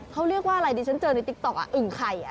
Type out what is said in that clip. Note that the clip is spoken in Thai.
เขาเรียกว่าอะไรดิฉันเจอในติ๊กต๊อกอึ่งไข่